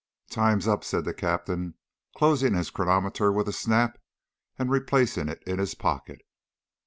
"Time's up!" said the captain, closing his chronometer with a snap, and replacing it in his pocket.